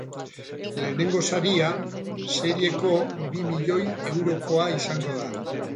Lehenengo saria serieko bi milioi eurokoa izango da.